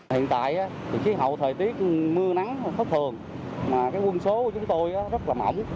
hiện tại trí hậu thời tiết mưa nắng khốc thường quân số của chúng tôi rất là mỏng